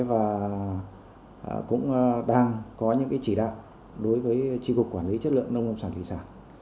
và cũng đang có những chỉ đạo đối với chi phục quản lý chất lượng nông ngộ sản thị xã